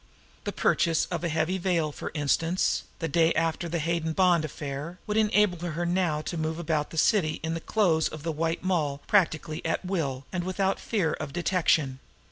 The purchase of a heavy veil, for instance, the day after the Hayden Bond affair, would enable her now to move about the city in the clothes of the White Moll practically at will and without fear of detection.